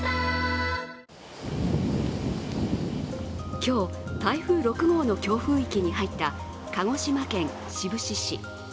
今日、台風６号の強風域に入った鹿児島県志布志市。